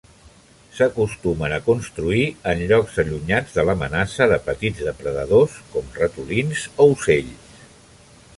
S'acostumen a construir en llocs allunyats de l'amenaça de petits depredadors, com ratolins o ocells.